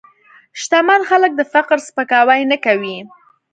شتمن خلک د فقر سپکاوی نه کوي.